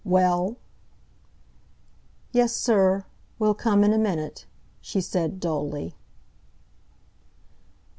"Well?" "Yes, sir. We'll come in a minute," she said dully.